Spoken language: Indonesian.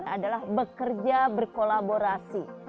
adalah bekerja berkolaborasi